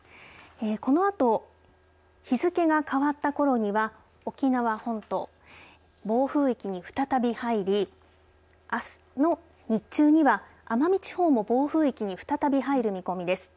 このあと日付が変わったころには沖縄本島、暴風域に再び入りあすの日中には奄美地方も暴風域に再び入る見込みです。